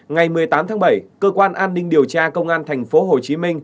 ngày một mươi tám tháng bảy cơ quan an ninh điều tra công an tp hcm